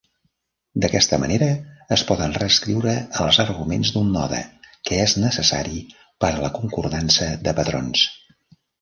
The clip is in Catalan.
D'aquesta manera, es poden reescriure els arguments d'un node, que és necessari per a la concordança de patrons.